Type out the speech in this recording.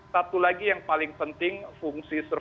satu lagi yang paling penting fungsi survei